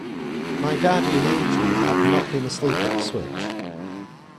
My guardian angel had not been asleep at the switch.